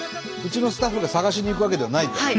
うちのスタッフが探しに行くわけではないと。